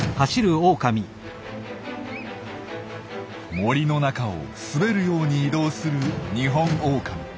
森の中を滑るように移動する二ホンオオカミ。